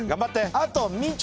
あと３つ。